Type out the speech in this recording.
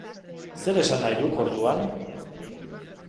Zer esan nahi duk orduan?